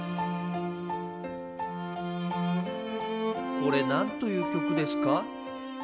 これ何と言う曲ですか？